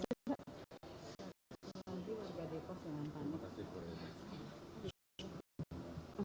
terima kasih warga depok